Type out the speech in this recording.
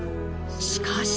しかし。